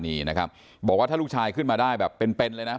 บอกว่าถ้าลูกชายขึ้นมาได้เป็น